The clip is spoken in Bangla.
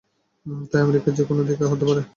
তাই আমেরিকা যে কোন দিকে হতে পারে।